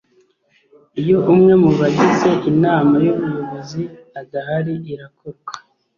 Iyo umwe mu bagize Inama y’ubuyobozi adahari irakorwa